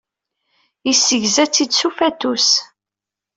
Yessegza-tt-id s ufatus.